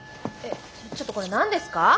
ちょっとこれ何ですか？